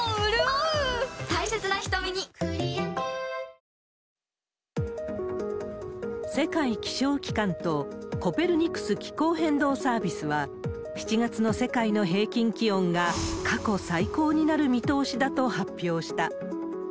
過去最大の補助金も世界気象機関とコペルニクス気候変動サービスは、７月の世界の平均気温が過去最高になる見通しだと発表した。